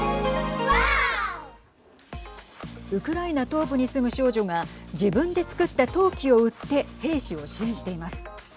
ウクライナ東部に住む少女が自分で作った陶器を売って兵士を支援しています。